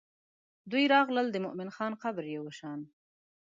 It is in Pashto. دوی راغلل د مومن خان قبر یې وشان.